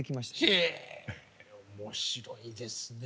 へえ面白いですね。